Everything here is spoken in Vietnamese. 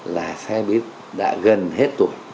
là xe buýt đã gần hết tuổi